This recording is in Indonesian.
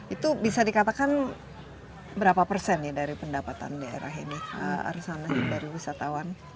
itu bisa dikatakan berapa persen ya dari pendapatan daerah ini arsana dari wisatawan